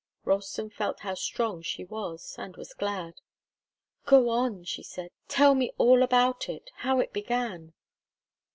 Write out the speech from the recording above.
Ralston felt how strong she was, and was glad. "Go on," she said. "Tell me all about it how it began."